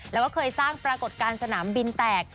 แล้วก็เคยสร้างปรากฏการณ์สนามบินแตก